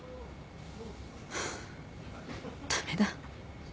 駄目だ。